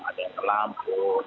ada yang kelam pun